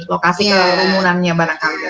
lokasi kerumunannya barangkali